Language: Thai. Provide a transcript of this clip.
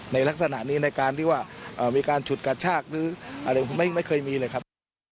ในลักษณะนี้ในการที่ว่ามีการฉุดกระชากหรืออะไรผมไม่เคยมีเลยครับ